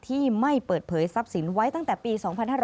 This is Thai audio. ที่ไม่เปิดเผยทรัพย์สินไว้ตั้งแต่ปี๒๕๕๙